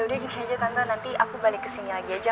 yaudah gini aja tante nanti aku balik kesini lagi aja